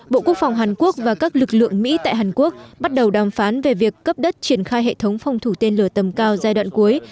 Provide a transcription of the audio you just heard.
bộ quốc phòng hàn quốc và các lực lượng mỹ tại hàn quốc bắt đầu đàm phán về việc cấp đất triển khai hệ thống phòng thủ tên lửa tầm cao giai đoạn cuối